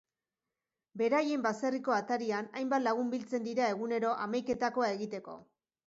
Beraien baserriko atarian hainbat lagun biltzen dira egunero hamaiketakoa egiteko.